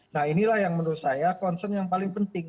nah inilah yang menurut saya concern yang paling penting